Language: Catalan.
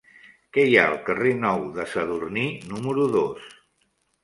Què hi ha al carrer Nou de Sadurní número dos?